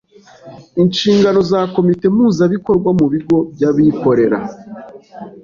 Inshingano za komite mpuzabikorwa mu bigo by’abikorera